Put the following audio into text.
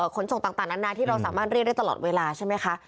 ขนส่งต่างนานาที่เราสามารถเรียกได้ตลอดเวลาใช่ไหมคะ